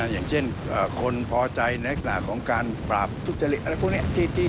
อย่างเช่นคนพอใจในลักษณะของการปราบทุจริตอะไรพวกนี้